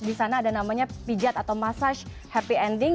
di sana ada namanya pijat atau massage happy ending